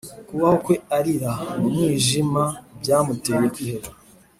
kubaho kwe arira mu mwijima byamuteye kwiheba